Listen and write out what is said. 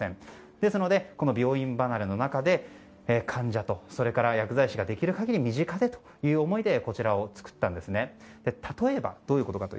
ですので、病院離れの中で患者と薬剤師ができる限り身近でという思いでこちらを作ったんですね。